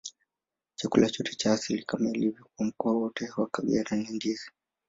Chakula cha asili, kama ilivyo kwa mkoa wote wa Kagera, ni ndizi.